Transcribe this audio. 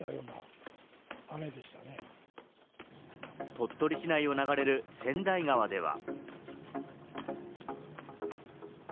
鳥取市内を流れる千代川では。